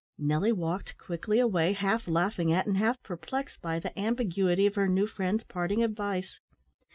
Nelly walked quickly away, half laughing at, and half perplexed by, the ambiguity of her new friend's parting advice.